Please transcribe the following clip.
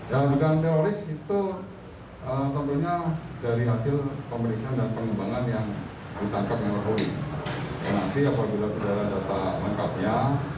yang bukan teroris itu tentunya dari hasil kompetisi dan pengembangan yang ditangkapnya mabes polri